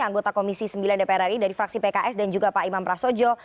anggota komisi sembilan dpr ri dari fraksi pks dan juga pak imam prasojo